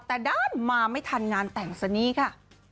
แต่ด้านมาไม่ทันงานแต่งซะนี่ค่ะ